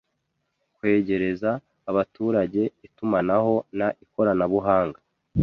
Kwegereza abaturage itumanaho n ikoranabuhanga